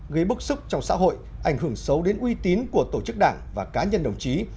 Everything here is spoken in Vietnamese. gây bức xúc trong xã hội ảnh hưởng xấu đến uy tín của tổ chức đảng và cá nhân đồng chí